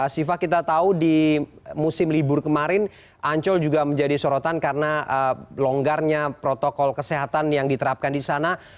siva kita tahu di musim libur kemarin ancol juga menjadi sorotan karena longgarnya protokol kesehatan yang diterapkan di sana